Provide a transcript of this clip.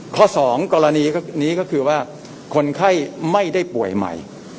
ข้อสองกรณีนี้ก็คือว่าคนไข้ไม่ได้ป่วยใหม่